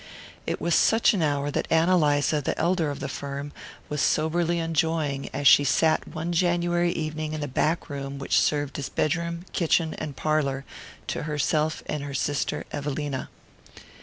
It was such an hour that Ann Eliza, the elder of the firm, was soberly enjoying as she sat one January evening in the back room which served as bedroom, kitchen and parlour to herself and her sister Evelina.